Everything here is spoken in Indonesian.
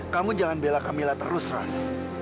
kamu jangan bela kamila terus ras